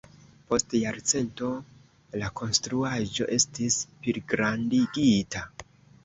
Post jarcento la konstruaĵo estis pligrandigita.